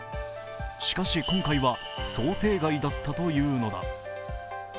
しかし今回は想定外だったというのだ。